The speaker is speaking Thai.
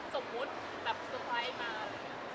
ใช่